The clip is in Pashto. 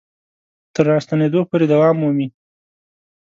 تر راستنېدو پورې دوام مومي.